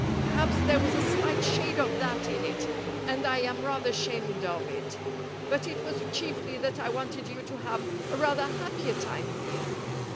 Perhaps there was a slight shade of that in it, and I am rather ashamed of it. But it was chiefly that I wanted you to have a rather happier time here."